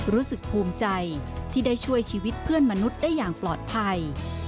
รู้สึกภูมิใจที่ได้ช่วยชีวิตเพื่อนมนุษย์ได้อย่างปลอดภัย